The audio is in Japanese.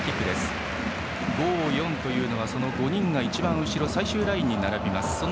５−４というのは５人が最終ラインに並びます。